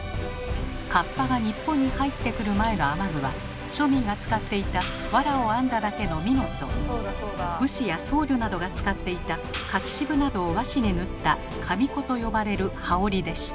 かっぱが日本に入ってくる前の雨具は庶民が使っていた藁を編んだだけの蓑と武士や僧侶などが使っていた柿渋などを和紙に塗った「紙子」と呼ばれる羽織でした。